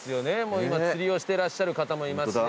もう今釣りをしてらっしゃる方もいますしね。